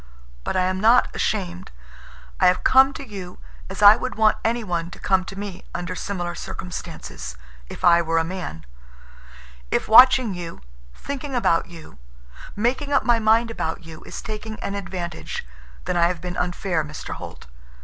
But I am not ashamed. I have come to you as I would want anyone to come to me under similar circumstances, if I were a man. If watching you, thinking about you, making up my mind about you is taking an advantage—then I have been unfair, Mr. Holt.